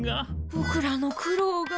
ぼくらの苦労が。